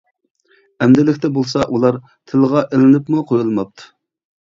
ئەمدىلىكتە بولسا ئۇلار تىلغا ئېلىنىپمۇ قۇيۇلماپتۇ.